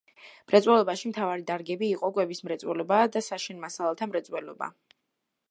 მრეწველობაში მთავარი დარგები იყო კვების მრეწველობა და საშენ მასალათა მრეწველობა.